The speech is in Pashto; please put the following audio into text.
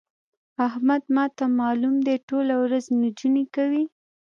احمد ما ته مالوم دی؛ ټوله ورځ نجونې کوي.